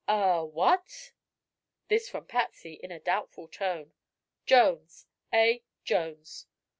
"A what?" This from Patsy, in a doubtful tone. "Jones. A. Jones."